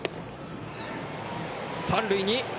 三塁に。